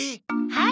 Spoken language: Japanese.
はい！